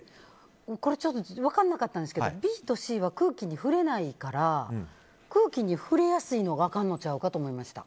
これは分からなかったんですがＢとＣは空気に触れないから空気に触れやすいのがあかんのちゃうかと思いました。